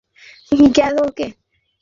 মানে, টেনে নিয়ে গেলো ওকে।